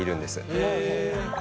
へえ！